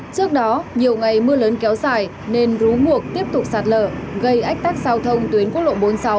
trước đó nhiều ngày mưa lớn kéo dài nên rú ngược tiếp tục sạt lờ gây ách tác giao thông tuyến quốc lộ bốn mươi sáu